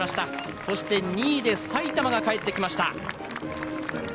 そして、２位で埼玉が帰ってきました。